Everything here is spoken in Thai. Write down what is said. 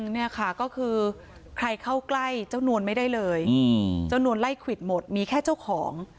นี่ค่ะก็คือใครเข้าใกล้เจ้านวลไม่ได้เลยเจ้านวลไล่ควิดหมดมีแค่เจ้าของ